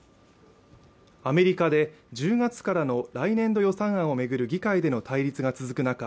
アメリカで１０月からの来年度予算案を巡る議会での対立が続く中